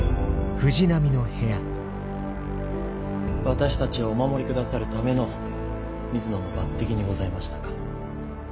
私たちをお守り下さるための水野の抜てきにございましたか。